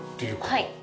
はい。